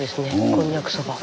こんにゃくそば。